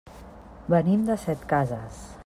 Venim de Setcases.